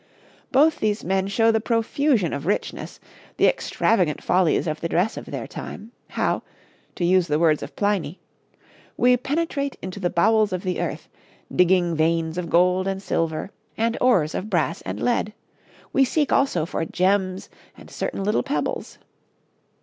Both these men show the profusion of richness, the extravagant follies of the dress of their time, how, to use the words of Pliny: 'We penetrate into the bowels of the earth, digging veins of gold and silver, and ores of brass and lead; we seek also for gems and certain little pebbles.